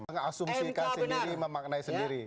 mka asumsikan sendiri memaknai sendiri